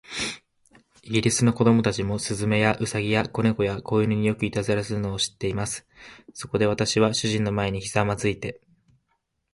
イギリスの子供たちも、雀や、兎や、小猫や、小犬に、よくいたずらをするのを知っています。そこで、私は主人の前にひざまずいて